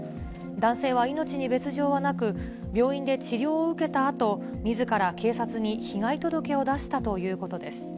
男性は命に別状はなく、病院で治療を受けたあと、みずから警察に被害届を出したということです。